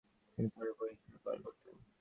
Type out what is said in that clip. তিনি পরে বই হিসাবে বার করতেন।